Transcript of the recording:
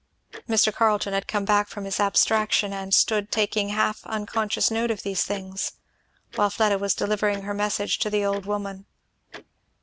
Mr. Carleton had come back from his abstraction, and stood taking half unconscious note of these things, while Fleda was delivering her message to the old woman.